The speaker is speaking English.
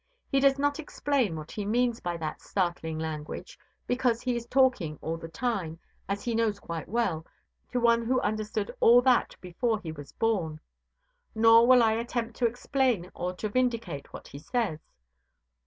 He does not explain what he means by that startling language because he is talking all the time, as he knows quite well, to one who understood all that before he was born. Nor will I attempt to explain or to vindicate what he says.